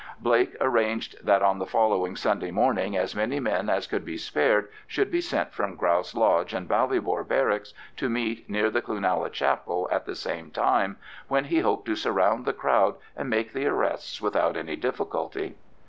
Blake arranged that on the following Sunday morning as many men as could be spared should be sent from Grouse Lodge and Ballybor Barracks to meet near the Cloonalla chapel at the same time, when he hoped to surround the crowd and make the arrests without any difficulty.